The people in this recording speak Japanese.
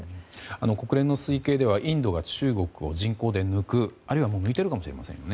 国連の推計ではインドが中国を人口で抜く、あるいは抜いているかもしれませんよね。